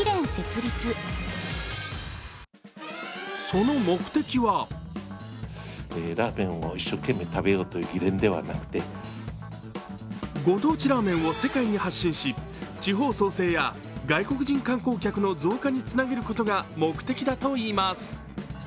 その目的はご当地ラーメンを世界に発信し地方創生や外国人観光客の増加につなげることが目的だといいます。